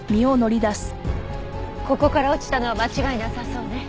ここから落ちたのは間違いなさそうね。